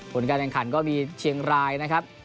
ผลการแข่งขันก็มีเชียงรายนะครับ